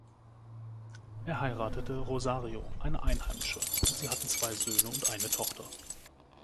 Er heiratete Rosario, eine Einheimische, und sie hatten zwei Söhne und eine Tochter.